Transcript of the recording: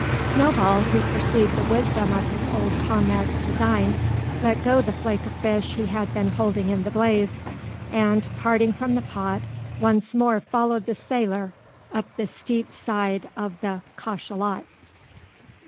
Snowball, who perceived the wisdom of his old comrade's design, let go the flake of fish he had been holding in the blaze; and, parting from the pot, once more followed the sailor up the steep side of the cachalot.